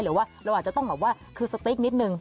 หรือว่าเราอาจจะต้องแบบว่าคือสติ๊กนิดนึง